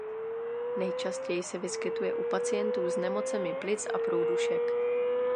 Nejčastěji se vyskytuje u pacientů s nemocemi plic a průdušek.